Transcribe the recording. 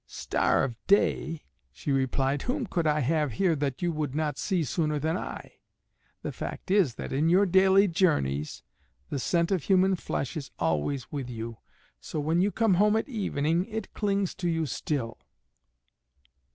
"Star of day," she replied, "whom could I have here that you would not see sooner than I? The fact is that in your daily journeys the scent of human flesh is always with you, so when you come home at evening it clings to you still."